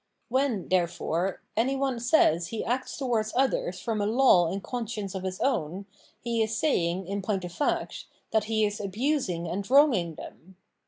When, therefore, any one says he acts towards others from a law and conscience of his own, he is saying, in point of fact, that he is abusing and wronging them.